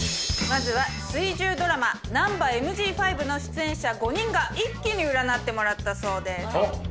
まずは水１０ドラマ『ナンバＭＧ５』の出演者５人が一気に占ってもらったそうです。